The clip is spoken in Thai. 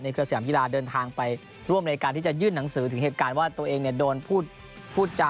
เครือสยามกีฬาเดินทางไปร่วมในการที่จะยื่นหนังสือถึงเหตุการณ์ว่าตัวเองโดนพูดจา